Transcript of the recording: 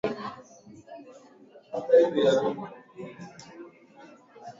chuo cha ualimu cha Mtwara mwaka elfu moja mia tisa tisini na moja hadi